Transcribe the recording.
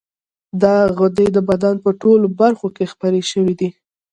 دا غدې د بدن په ټولو برخو کې خپرې شوې دي.